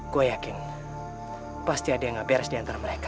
gue yakin pasti ada yang gak beres diantara mereka